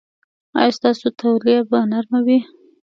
ایا ستاسو تولیه به نرمه وي؟